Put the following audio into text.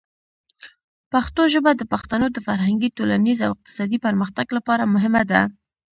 پښتو ژبه د پښتنو د فرهنګي، ټولنیز او اقتصادي پرمختګ لپاره مهمه ده.